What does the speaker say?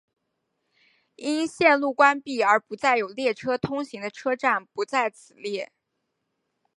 因线路关闭而不再有列车通行的车站不在此列。